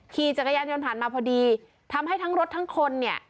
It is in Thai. ขี่จักรยานยนต์ผ่านมาพอดีทำให้ทั้งรถทั้งคนเนี่ย